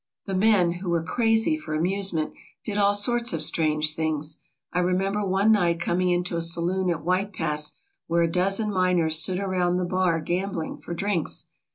The men, who were crazy for amusement, did all sorts of strange things. I remember one night coming into a saloon at White Pass where a dozen miners stood around the bar gambling for drinks.